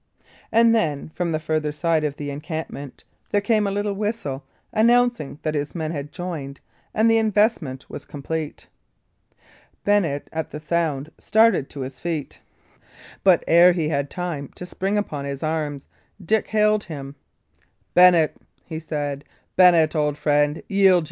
And then, from the further side of the encampment, there came a little whistle, announcing that his men had joined, and the investment was complete. Bennet, at the sound, started to his feet; but ere he had time to spring upon his arms, Dick hailed him. "Bennet," he said "Bennet, old friend, yield ye.